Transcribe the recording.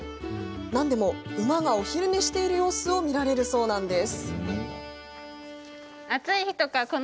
なんでも、馬がお昼寝している様子を見られるそうなんです。